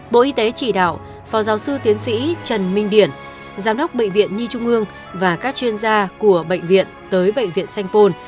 bộ y tế chỉ đạo phó giáo sư tiến sĩ trần minh điển giám đốc bệnh viện nhi trung ương và các chuyên gia của bệnh viện tới bệnh viện sanh pôn